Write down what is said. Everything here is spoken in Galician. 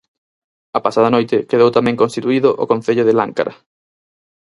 A pasada noite quedou tamén constituído o Concello de Láncara.